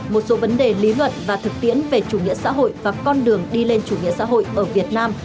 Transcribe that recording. một số vấn đề lý luận và thực tiễn về chủ nghĩa xã hội và con đường đi lên chủ nghĩa xã hội ở việt nam